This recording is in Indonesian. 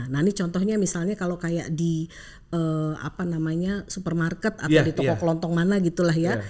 nah ini contohnya misalnya kalau kayak di apa namanya supermarket atau di toko kelontong mana gitu lah ya